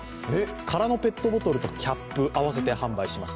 空のペットボトルとキャップを合わせて販売します。